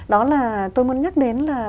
đó là tôi muốn nhắc đến là